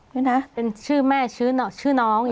เป็นชื่อแม่ชื่อน้อง